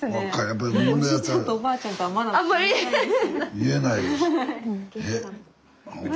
見えないです。